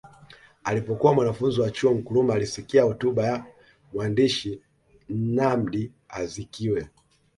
Alipokuwa mwanafunzi wa chuo Nkrumah alisikia hotuba ya mwandishi Nnamdi Azikiwe